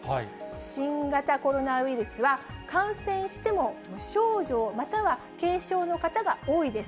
新型コロナウイルスは感染しても無症状、または軽症の方が多いです。